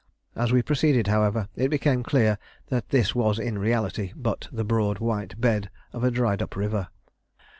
As we proceeded, however, it became clear that this was in reality but the broad white bed of a dried up river.